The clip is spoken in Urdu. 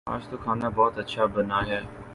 آج تو کھانا بہت اچھا بنا ہے